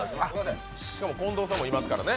しかも近藤さんもいますからね。